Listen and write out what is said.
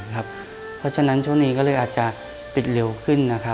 เพราะฉะนั้นช่วงนี้ก็เลยอาจจะปิดเร็วขึ้น